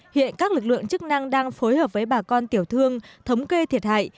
hiện các lực lượng chức năng đang phối hợp với bà con tiểu thương thống kê thiệt hại